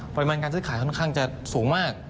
ประมาณการซื้อขายค่อนข้างจะสูงมาก